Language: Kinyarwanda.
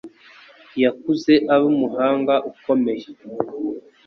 Yakuze aba umuhanga ukomeye.